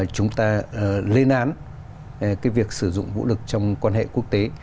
chúng ta lên án việc sử dụng vũ lực trong quan hệ quốc tế